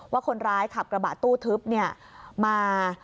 ว่าคนร้ายขับกระบะตู้ทึบมา